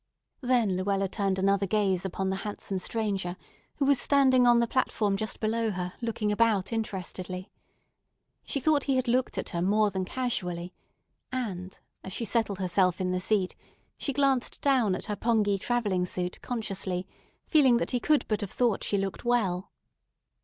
Then Luella turned another gaze upon the handsome stranger, who was standing on the platform just below her, looking about interestedly. She thought he had looked at her more than casually; and, as she settled herself in the seat, she glanced down at her pongee travelling suit consciously, feeling that he could but have thought she looked well.